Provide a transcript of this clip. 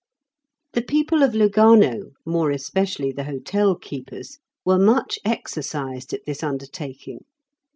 The people of Lugano, more especially the hotel keepers, were much exercised at this undertaking.